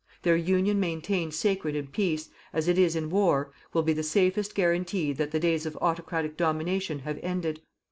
Their union maintained sacred in peace, as it is in war, will be the safest guarantee that the days of autocratic domination have ended.